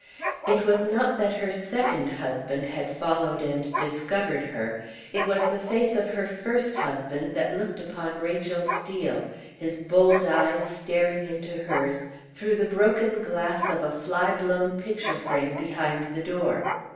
It was not that her second husband had followed and discovered her; it was the face of her first husband that looked upon Rachel Steel, his bold eyes staring into hers, through the broken glass of a fly blown picture frame behind the door.